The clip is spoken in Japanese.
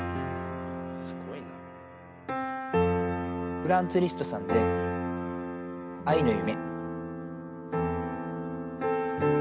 フランツ・リストさんで、愛の夢。